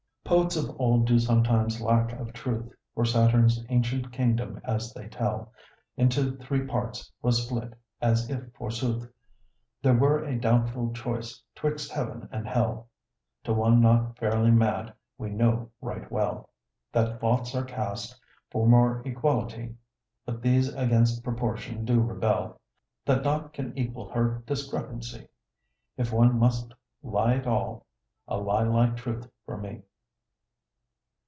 Poets of old do sometimes lack of truth; For Saturn's ancient kingdom, as they tell, Into three parts was split, as if forsooth There were a doubtful choice 'twixt Heaven and Hell To one not fairly mad; we know right well That lots are cast for more equality; But these against proportion so rebel That naught can equal her discrepancy; If one must lie at all a lie like truth for me!